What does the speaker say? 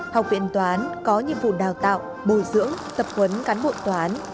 học viện toán có nhiệm vụ đào tạo bồi dưỡng tập huấn cán bộ toán